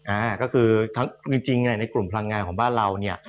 อ่าก็คือทั้งจริงในกลุ่มพลังงานของบ้านเราเนี่ย